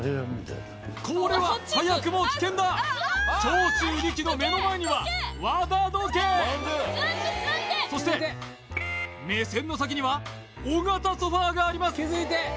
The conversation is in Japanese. これは早くも危険だ長州力の目の前には和田時計そして目線の先には尾形ソファーがあります